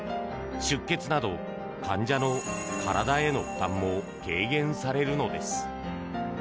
出血など、患者の体への負担も軽減されるのです。